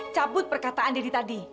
cabut perkataan daddy tadi